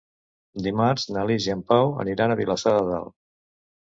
Dimarts na Lis i en Pau aniran a Vilassar de Dalt.